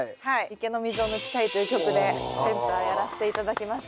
「池の水を抜きたい」という曲でセンターやらせて頂きました。